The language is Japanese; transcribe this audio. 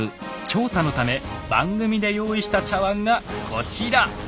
調査のため番組で用意した茶碗がこちら！